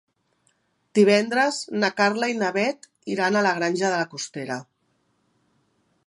Divendres na Carla i na Bet iran a la Granja de la Costera.